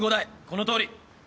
このとおり。